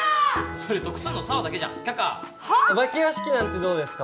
それ得すんの紗羽だけじゃん却下お化け屋敷なんてどうですか？